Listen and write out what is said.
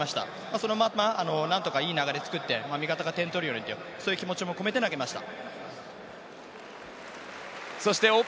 そのまま何とかいい流れをつけて、見方が点を取れるようにという気持ちも込めて投げました。